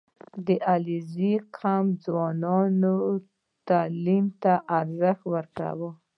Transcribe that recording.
• د علیزي قوم ځوانان تعلیم ته ارزښت ورکوي.